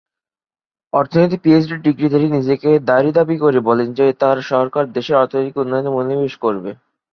অর্থনীতিতে পিএইচডি ডিগ্রিধারী নিজেকে দারি দাবি করে বলেন যে তার সরকার দেশের অর্থনৈতিক উন্নয়নে মনোনিবেশ করবে।